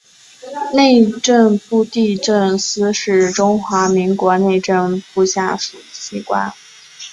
内政部地政司是中华民国内政部下属机关。